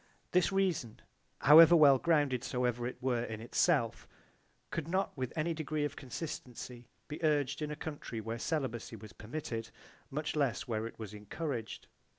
This reason however well grounded soever it were in itself could not with any degree of consistency be urged in a country where celibacy was permitted, much less where it was encouraged.